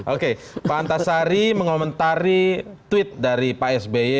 oke pak antasari mengomentari tweet dari pak sby